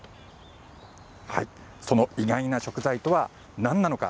その意外な食材とはなんなのか。